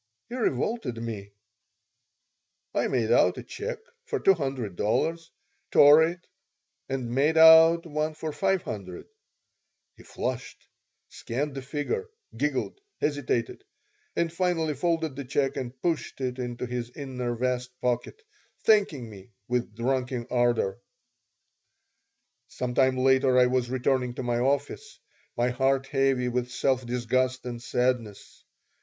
He revolted me I made out a check for two hundred dollars; tore it and made out one for five hundred He flushed, scanned the figure, giggled, hesitated, and finally folded the check and pushed it into his inner vest pocket, thanking me with drunken ardor Some time later I was returning to my office, my heart heavy with self disgust and sadness.